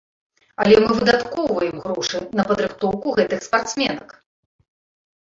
Але мы выдаткоўваем грошы на падрыхтоўку гэтых спартсменак.